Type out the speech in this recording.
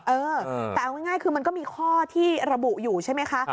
เออแต่เอาง่ายคือมันก็มีข้อที่ระบุอยู่ใช่ไหมคะ